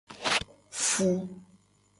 Fu.